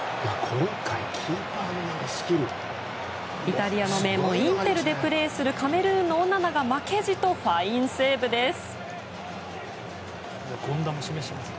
イタリアの名門インテルでプレーするカメルーンのオナナが負けじとファインセーブです。